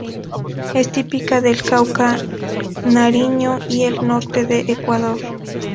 Es típica del Cauca, Nariño y el norte de Ecuador.